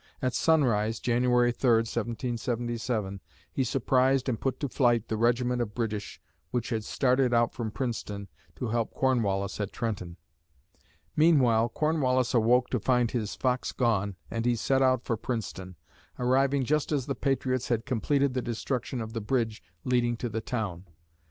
At sunrise (Jan. 3, 1777), he surprised and put to flight the regiment of British which had started out from Princeton to help Cornwallis at Trenton. Meanwhile, Cornwallis awoke to find his "fox" gone and he set out for Princeton, arriving just as the patriots had completed the destruction of the bridge leading to the town.